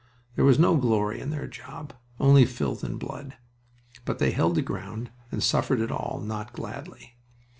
There was no "glory" in their job, only filth and blood, but they held the ground and suffered it all, not gladly.